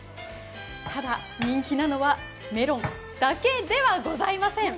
ただ人気なのはメロンだけではございません。